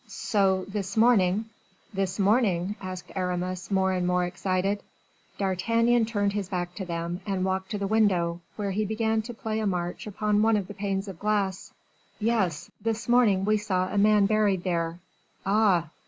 So this morning " "This morning?" said Aramis, more and more excited. D'Artagnan turned his back to them, and walked to the window, where he began to play a march upon one of the panes of glass. "Yes, this morning we saw a man buried there." "Ah!"